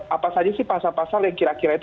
apa saja sih pasal pasal yang kira kira itu